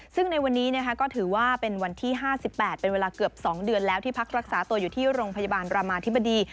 ซึ่งในวันนี้ก็ถือว่าเป็นวันที่๕๘เป็นเวลาเกือบ๒เดือนแล้วที่พักรักษาตัวอยู่ที่โรงพยาบาลรามาธิบดี